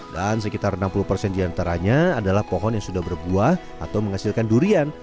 dan sekitar enam puluh persen diantaranya adalah pohon yang sudah berbuah atau menghasilkan durian